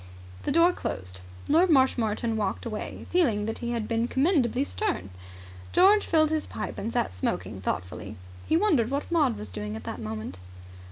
The door closed. Lord Marshmoreton walked away feeling that he had been commendably stern. George filled his pipe and sat smoking thoughtfully. He wondered what Maud was doing at that moment.